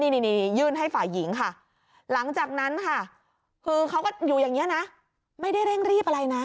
นี่ยื่นให้ฝ่ายหญิงค่ะหลังจากนั้นค่ะคือเขาก็อยู่อย่างนี้นะไม่ได้เร่งรีบอะไรนะ